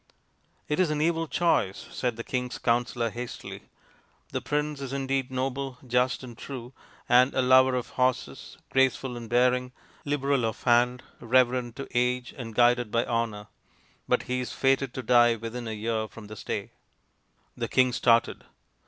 " It is an evil choice," said the king's counsellor hastily. " The prince is indeed noble, just, and true, and a lover of horses, graceful in bearing, liberal of hand, reverent to age, and guided by honour. But he is fated to die within a year from this day" The king started.